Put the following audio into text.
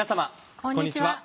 こんにちは。